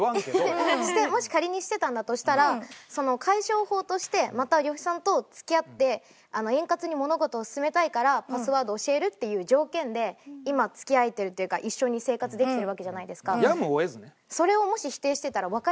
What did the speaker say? もし仮にしてたんだとしたらその解消法としてまた呂布さんと付き合って円滑に物事を進めたいからパスワード教えるっていう条件で今付き合えてるっていうか一緒に生活できてるわけじゃないですか。